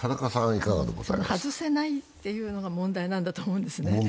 外せないというのが問題なんだと思うんですね。